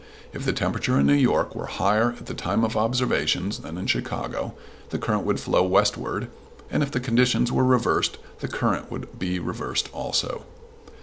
If the temperature in New York were higher at the time of observations than in Chicago the current would flow westward, and if the conditions were reversed the current would be reversed also.